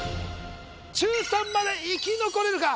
中３まで生き残れるか！